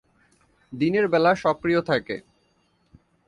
দিনের বেলা সক্রিয় থাকে।